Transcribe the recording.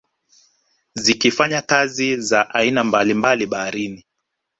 Zikifanya kazi za aina mbalimbali baharini